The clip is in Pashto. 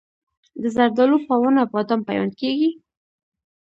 د زردالو په ونه بادام پیوند کیږي؟